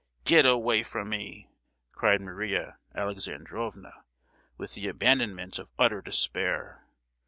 "Get away from me!" cried Maria Alexandrovna, with the abandonment of utter despair.